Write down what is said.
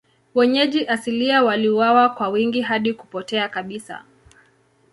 Wenyeji asilia waliuawa kwa wingi hadi kupotea kabisa.